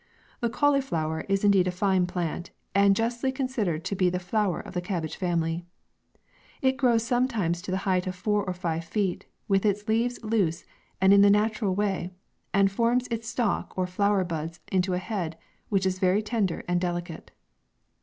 The cauliflower is indeed a fine plant, and justly considered to be the flower of the cab bage family. It grows sometimes to the height of four or five feet, with its leaves loose, and in the natural way, and forms its stalk, or flower buds, into a head, which is very tender and delicate.